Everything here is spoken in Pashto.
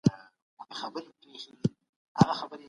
د ډالیو تبادله د سوداګرو تر منځ ولي دومره دود وه؟